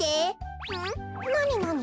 なになに？